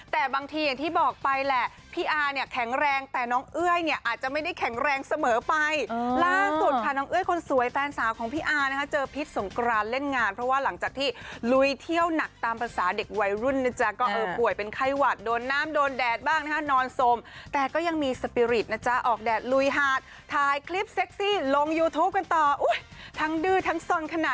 แต่บางทีอย่างที่บอกไปแหละพี่อาร์เนี่ยแข็งแรงแต่น้องเอ้ยเนี่ยอาจจะไม่ได้แข็งแรงเสมอไปล่างสุดค่ะน้องเอ้ยคนสวยแฟนสาวของพี่อาร์นะคะเจอพิษสงครานเล่นงานเพราะว่าหลังจากที่ลุยเที่ยวหนักตามภาษาเด็กวัยรุ่นนะจ๊ะก็เออป่วยเป็นไข้หวัดโดนน้ำโดนแดดบ้างนะคะนอนสมแต่ก็ยังมีสปิริตนะจ๊ะออกแดดล